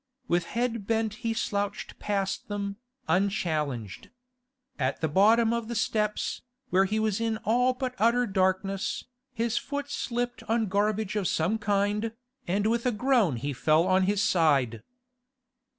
With head bent he slouched past them, unchallenged. At the bottom of the steps, where he was in all but utter darkness, his foot slipped on garbage of some kind, and with a groan he fell on his side.